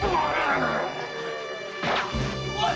おい！